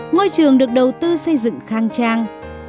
ngôi trường được đầu tư xây dựng khang trang